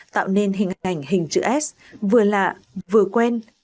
tạo nên hình ảnh hình chữ s vừa lạ vừa quen